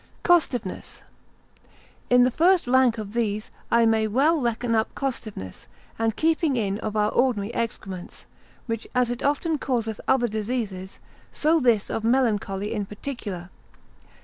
Costiveness.] In the first rank of these, I may well reckon up costiveness, and keeping in of our ordinary excrements, which as it often causeth other diseases, so this of melancholy in particular.